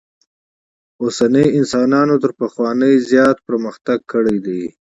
اوسني انسانانو تر پخوانیو زیات پرمختک کړی دئ.